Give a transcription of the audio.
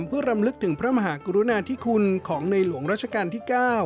เพื่อรำลึกถึงพระมหากรุณาธิคุณของในหลวงราชการที่๙